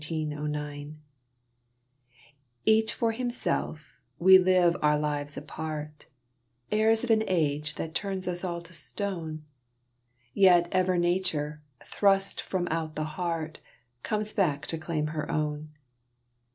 _ Each for himself, we live our lives apart, Heirs of an age that turns us all to stone; Yet ever Nature, thrust from out the heart, Comes back to claim her own.